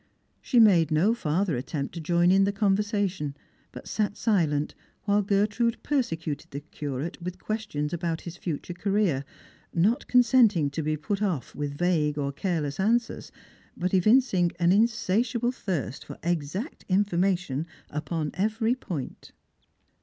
She made no farther attempt to join in the conversation, but sat silent while Gertrude persecuted the Curate with questions about his future career, not consenting to be put off with vague or careless answers, but evincing an insatiable thirst for exact information upon every point.